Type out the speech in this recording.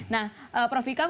nah prof ikam